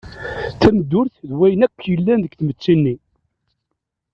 D tameddurt d wayen akk yellan deg tmetti-nni.